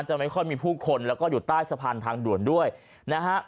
ไม่ค่อยมีผู้คนแล้วก็อยู่ใต้สะพานทางด่วนด้วยนะฮะ